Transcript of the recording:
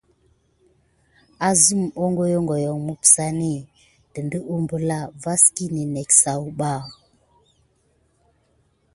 Əzeme hogohokio misapay ɗe kubelā mokoni sawuba va adelif net.